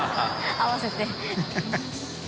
合わせて。